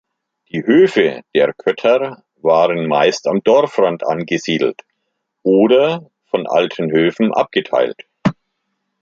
Die Höfe der Kötter waren meist am Dorfrand angesiedelt oder von alten Höfen abgeteilt.